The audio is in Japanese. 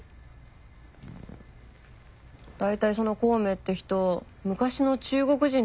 だいたいその孔明って人昔の中国人でしょ？